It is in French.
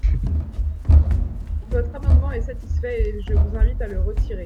Votre amendement est satisfait et je vous invite à le retirer.